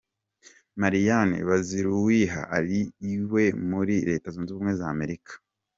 Marianne Baziruwiha ari iwe muri Leta Zunze Ubumwe z’Amerika